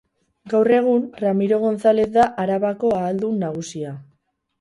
Gaur egun Ramiro Gonzalez da Arabako Ahaldun Nagusia.